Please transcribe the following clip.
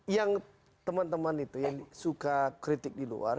yang teman teman itu yang suka kritik di luar